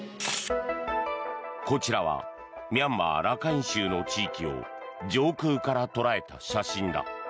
こちらはミャンマー・ラカイン州の地域を上空から捉えた写真だ。